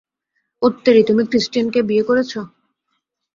ওত্তেরি, তুমি ক্রিস্টিনকে বিয়ে করেছ?